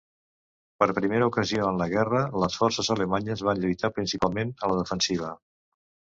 Per primera ocasió en la guerra, les forces alemanyes van lluitar principalment a la defensiva.